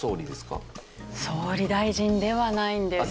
総理大臣ではないんです。